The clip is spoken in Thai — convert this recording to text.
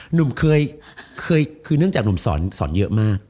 หนุ่มเคยคือเนื่องจากหนุ่มสอนเยอะมาก